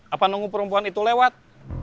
apa nunggu perempuan itu lewat